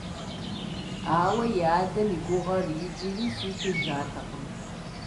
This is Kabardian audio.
Ауэ и адэм и гугъэр иджыри хихыжатэкъым.